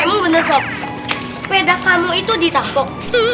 ini bener sob sepeda kamu itu ditangkok